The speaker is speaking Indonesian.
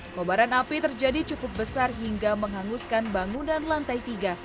kobaran api terjadi cukup besar hingga menghanguskan bangunan lantai tiga